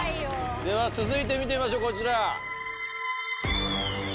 では続いて見てみましょうこちら。